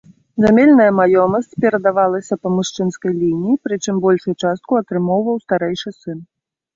Зямельная маёмасць перадавалася па мужчынскай лініі, прычым большую частку атрымоўваў старэйшы сын.